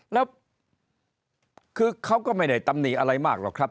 แล้วคือเขาก็ไม่ได้ตำหนิอะไรมากหรอกครับ